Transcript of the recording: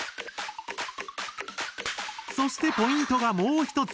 そしてポイントがもう一つ。